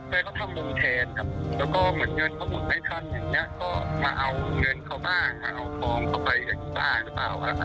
แต่เมื่อเขาพูดอย่างผมก็บอกว่าจะเรียกเรื่องอีกได้ก่อนนะครับ